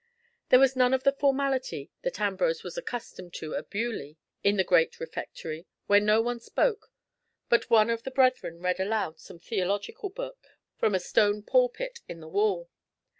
There was none of the formality that Ambrose was accustomed to at Beaulieu in the great refectory, where no one spoke, but one of the brethren read aloud some theological book from a stone pulpit in the wall.